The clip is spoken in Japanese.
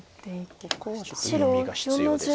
ここはちょっと読みが必要です。